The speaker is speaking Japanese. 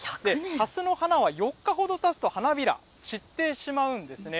はすの花は４日ほどたつと花びら、散ってしまうんですね。